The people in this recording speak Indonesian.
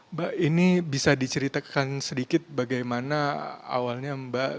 mbak ini bisa diceritakan sedikit bagaimana awalnya mbak